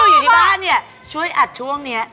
พี่มองที่ดูอยู่ในนี่ช่วยอัดช่วงนี้